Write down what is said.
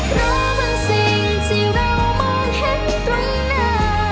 เพราะมันสิ่งที่เรามองเห็นตรงหน้า